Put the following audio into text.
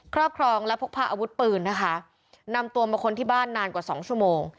รอบครองและพกพาอาวุธปืนนะคะนำตัวมาค้นที่บ้านนานกว่าสองชั่วโมง